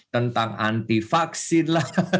tentang anti vaksin lah